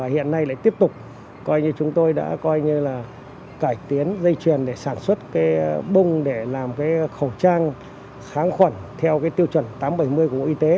hiện nay lại tiếp tục chúng tôi đã cải tiến dây chuyền để sản xuất bông để làm khẩu trang kháng khuẩn theo tiêu chuẩn tám trăm bảy mươi của bộ y tế